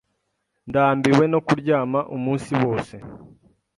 Ndambiwe no kuryama umunsi wose.